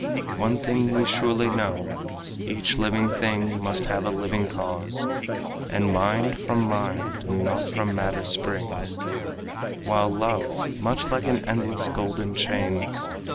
One thing we surely know: Each living thing must have a living cause, And mind from mind and not from matter springs; While love, which like an endless golden chain.